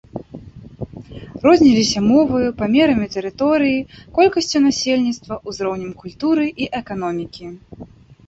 Розніліся моваю, памерамі тэрыторыі, колькасцю насельніцтва, узроўнем культуры і эканомікі.